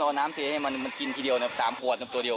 ตัวน้ำที่ได้ให้มันกินทีเดียวแบบ๓ขวดตัวเดียว